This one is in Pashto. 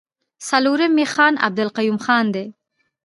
څلورم يې خان عبدالقيوم خان دی.